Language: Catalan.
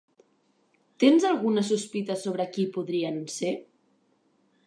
Tens alguna sospita sobre qui podrien ser?